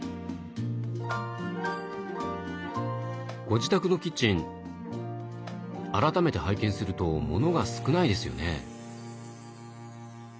ご自宅のキッチン改めて拝見すると物が少ないですよね？